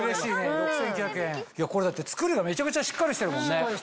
これだって作りがめちゃめちゃしっかりしてるもんね。